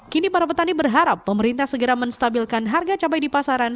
kini para petani berharap pemerintah segera menstabilkan harga cabai di pasaran